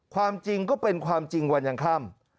ความจริงก็เป็นความจริงวันยังค่ำ